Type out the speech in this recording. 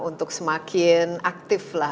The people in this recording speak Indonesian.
untuk semakin aktif lah